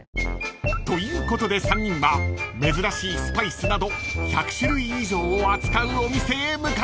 ［ということで３人は珍しいスパイスなど１００種類以上を扱うお店へ向かいます］